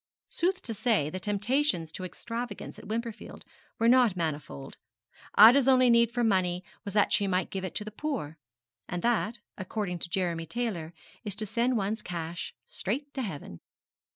Sooth to say, the temptations to extravagance at Wimperfield were not manifold. Ida's only need for money was that she might give it to the poor, and that, according to Jeremy Taylor, is to send one's cash straight to heaven.